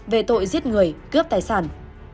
về tội giết người cướp tài sản